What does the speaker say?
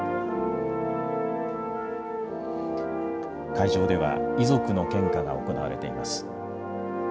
会場では、遺族の献花が行われています。